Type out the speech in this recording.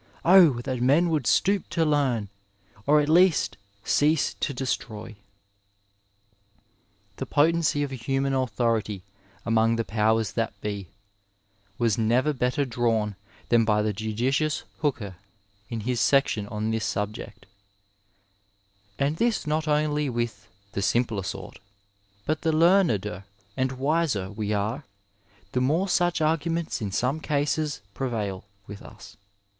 Oh ! that men would stoop to learn, or at least cease to destroy." The potency of human authority among the powers that be, was never better drawn than 180 Digitized by Google BRITISH MEDICINE IN GREATER BRITAIN by the judicious Hooker in his section on this subject. *^ And this not only with ' the simplei sort,' but the leameder and wiser we are, the more such ai^guments in some cases prevail with us.